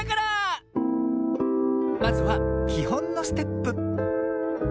まずはきほんのステップ。